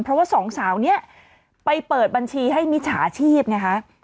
เพราะว่าสองสาวนี้ไปเปิดบัญชีให้มิจฉาชีพไงคะ